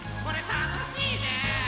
たのしいね！